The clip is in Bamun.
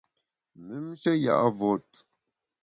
Mümnshe ya’ vot.